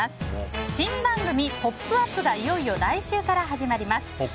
新番組「ポップＵＰ！」がいよいよ来週から始まります。